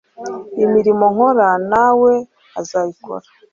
imirimo nkora na we azayikora